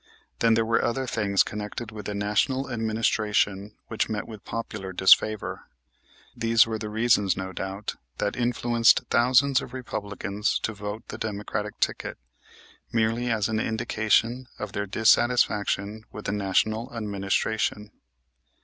Then there were other things connected with the National Administration which met with popular disfavor. These were the reasons, no doubt, that influenced thousands of Republicans to vote the Democratic ticket merely as an indication of their dissatisfaction with the National Administration.